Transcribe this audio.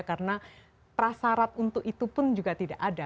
karena prasarat untuk itu pun juga tidak ada